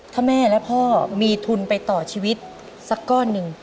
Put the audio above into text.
ถ้าแม่และพ่อมีทุนไปต่อชีวิตสักก้อนหนึ่ง